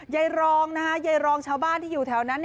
ยายรองนะคะยายรองชาวบ้านที่อยู่แถวนั้น